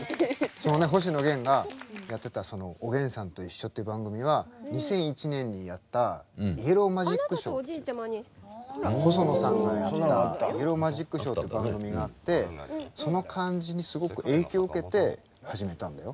その星野源がやってた「おげんさんといっしょ」って番組は２００１年にやった「イエローマジックショー」細野さんがやった「イエローマジックショー」って番組があってその感じにすごく影響を受けて始めたんだよ。